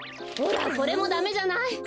ほらこれもダメじゃない。